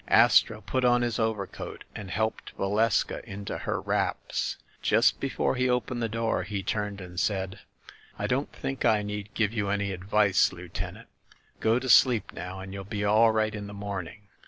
Astro put on his overcoat and helped Valeska into her wraps. Just be fore he opened the door, he turned and said : "I don't think I need give you any advice, Lieuten ant. Go to sleep now, and you'll be all right in the morning.